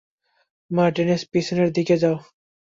Martinez, পেছনের দিকে যাও।